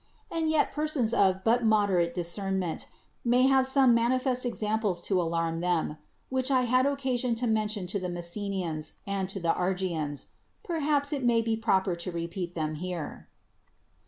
And yet persons of but moderate discern ment may have some manifest examples to alarm them, which I had occasion to mention to the Messenians and to the Argians. Perhaps it may be proper to repeat them here.